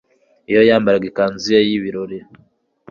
iyo yambaraga ikanzu ye y'ibirori